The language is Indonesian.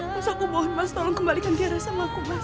mas aku mohon mas tolong kembalikan dia rasa sama aku mas